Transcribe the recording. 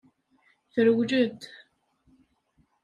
Trewled.